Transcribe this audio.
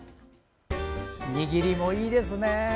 握りもいいですね。